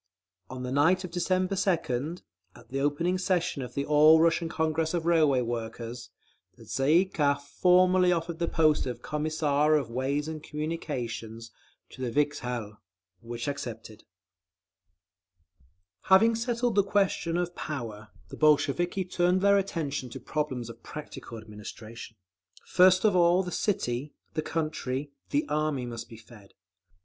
_ On the night of December 2d, at the opening session of the All Russian Congress of Railway Workers, the Tsay ee kah formally offered the post of Commissar of Ways and Communications to the Vikzhel—which accepted…. Having settled the question of power, the Bolsheviki turned their attention to problems of practical administration. First of all the city, the country, the Army must be fed.